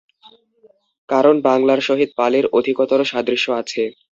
কারণ বাঙলার সহিত পালির অধিকতর সাদৃশ্য আছে।